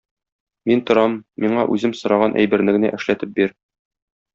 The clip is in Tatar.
Мин торам, миңа үзем сораган әйберне генә эшләтеп бир.